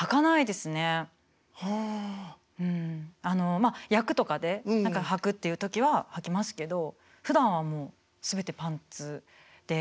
まあ役とかではくっていう時ははきますけどふだんはもう全てパンツで。